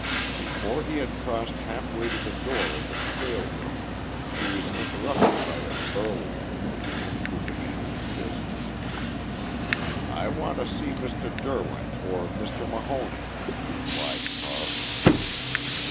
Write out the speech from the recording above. Before he had crossed halfway to the door of the scale room he was interrupted by a burly individual, who demanded his business. "I want to see Mr. Derwent or Mr. Mahoney," replied Carr.